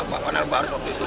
pak panel barus waktu itu